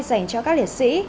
dành cho các liệt sĩ